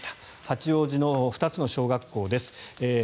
八王子の２つの小学校です。